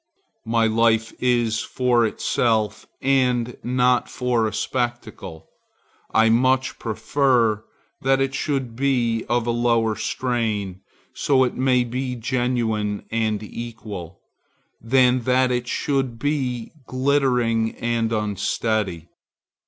My life is for itself and not for a spectacle. I much prefer that it should be of a lower strain, so it be genuine and equal, than that it should be glittering and unsteady.